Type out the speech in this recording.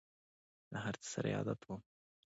له هر څه سره یې عادت وم !